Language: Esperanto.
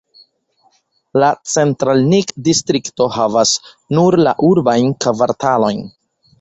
La "Centralnij"-distrikto havas nur la urbajn kvartalojn.